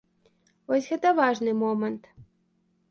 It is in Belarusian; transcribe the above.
Вось гэта важны момант.